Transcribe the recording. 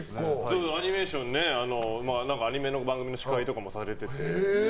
アニメーション、アニメの番組の司会とかもされてて。